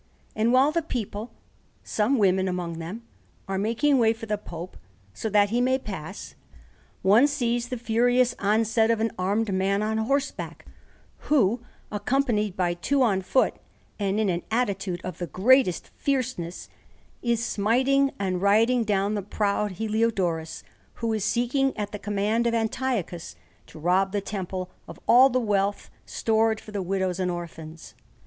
And while the people, some women among them, are making way for the Pope, so that he may pass, one sees the furious onset of an armed man on horseback, who, accompanied by two on foot, and in an attitude of the greatest fierceness, is smiting and riding down the proud Heliodorus, who is seeking, at the command of Antiochus, to rob the Temple of all the wealth stored for the widows and orphans.